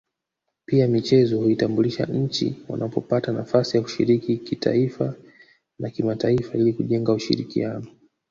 Pia michezo huitambulisha nchi wanapopata nafasi ya kushiriki kitaifa na kimataifa ili kujenga ushirikiano